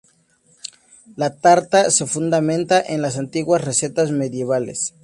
La tarta se fundamenta en las antiguas recetas medievales.